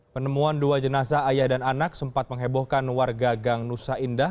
penemuan dua jenazah ayah dan anak sempat menghebohkan warga gang nusa indah